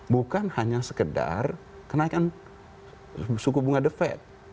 bukan hanya sekedar kenaikan suku bunga the fed